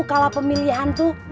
kalian udah nangkr intensif